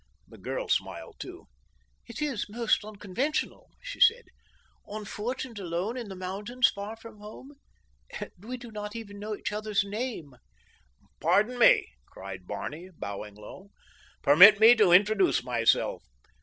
The girl smiled, too. "It is most unconventional," she said. "On foot and alone in the mountains, far from home, and we do not even know each other's name." "Pardon me," cried Barney, bowing low. "Permit me to introduce myself.